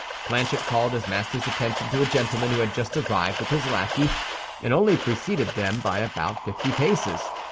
Planchet called his master's attention to a gentleman who had just arrived with his lackey, and only preceded them by about fifty paces.